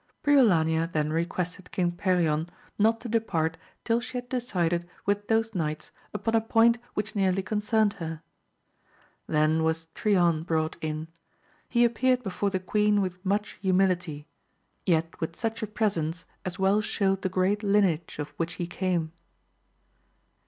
Briolania then re quested King Perion not to depart till she had decided with those knights upon a point which nearly con cerned her. Then was Trion brought in ; he appeared before the queen with much humility, yet with such a presence as well showed the great lineage of which he came.